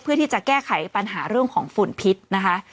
เพื่อที่จะแก้ไขปัญหาเรื่องของฝุ่นพิษนะคะ